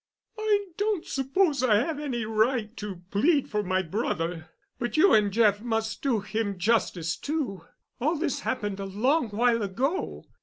"I don't suppose I have any right to plead for my brother—but you and Jeff must do him justice, too. All this happened a long while ago.